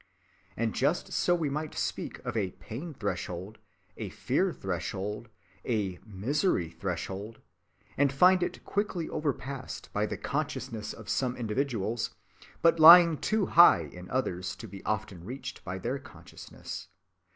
And just so we might speak of a "pain‐threshold," a "fear‐threshold," a "misery‐threshold," and find it quickly overpassed by the consciousness of some individuals, but lying too high in others to be often reached by their consciousness.